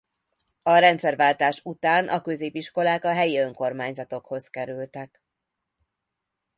A rendszerváltás után a középiskolák a helyi önkormányzathoz kerültek.